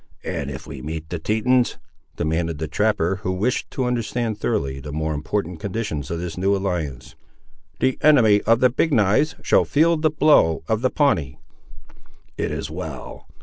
"And if we meet the Tetons?" demanded the trapper, who wished to understand, thoroughly, the more important conditions of this new alliance. "The enemy of the Big knives shall feel the blow of the Pawnee." "It is well.